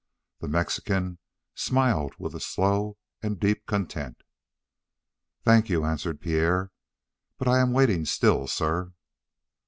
The Mexican smiled with a slow and deep content. "Thank you," answered Pierre, "but I am waiting still, sir."